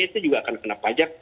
itu juga akan kena pajak